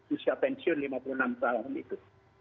usia pensiun lima puluh enam tahun itu